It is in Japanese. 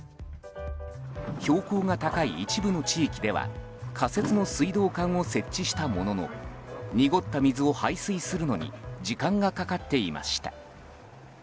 標高が高い一部の地域では仮設の水道管を設置したものの濁った水を排水するのに時間がかかっていました。